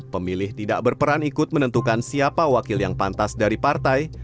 pemilih tidak berperan ikut menentukan siapa wakil yang pantas dari partai